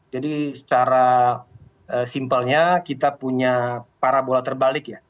jadi secara simpelnya kita punya parabola terbalik ya